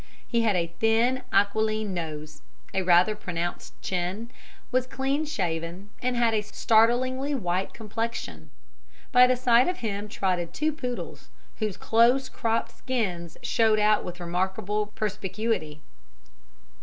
He had a thin, aquiline nose, a rather pronounced chin, was clean shaven, and had a startlingly white complexion. By the side of him trotted two poodles, whose close cropped skins showed out with remarkable perspicuity.